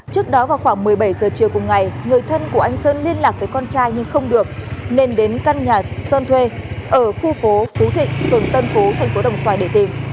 trước đó vào khoảng một mươi bảy giờ chiều cùng ngày người thân của anh sơn liên lạc với con trai nhưng không được nên đến căn nhà sơn thuê ở khu phố phú thịnh phường tân phú thành phố đồng xoài để tìm